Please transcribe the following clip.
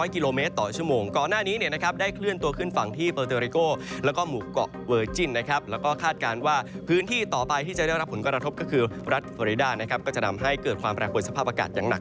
ก็จะนำให้เกิดความแปลกบนสภาพอากาศอย่างหนัก